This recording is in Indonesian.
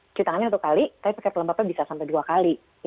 cuci tangannya satu kali tapi pakai pelembabnya bisa sampai dua kali